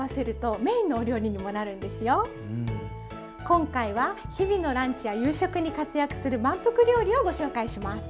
今回は日々のランチや夕食に活躍する満腹料理をご紹介します。